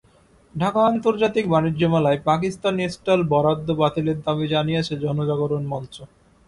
ঢাকা আন্তর্জাতিক বাণিজ্য মেলায় পাকিস্তানি স্টল বরাদ্দ বাতিলের দাবি জানিয়েছে গণজাগরণ মঞ্চ।